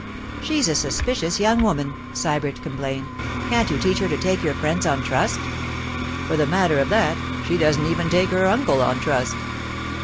'She's a suspicious young woman,' Sybert complained. 'Can't you teach her to take your friends on trust?' 'For the matter of that, she doesn't even take her uncle on trust.